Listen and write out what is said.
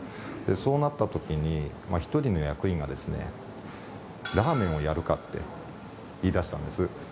そうなったときに、１人の役員がですね、ラーメンをやるかって言いだしたんです。